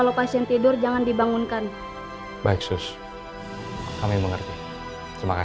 sampai jumpa di video selanjutnya